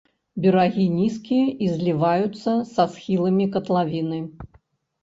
Берагі нізкія і зліваюцца са схіламі катлавіны.